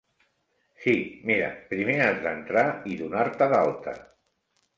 Sí, mira, primer has d'entrar i donar-te d'alta.